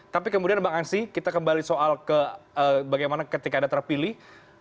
tapi kemudian bang ansi kita kembali soal ke bagaimana ketika anda terpilih